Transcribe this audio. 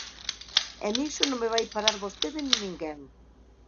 E niso non me vai parar vostede nin ninguén.